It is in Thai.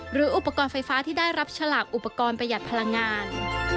หรืออุปกรณ์ไฟฟ้าที่ได้รับฉลากอุปกรณ์ประหยัดพลังงาน